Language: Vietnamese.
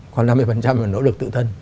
còn năm mươi là nỗ lực tự thân